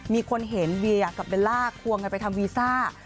มีคนเห็นเวียกับเวลล่าฮ่วงไปทำวีซาการ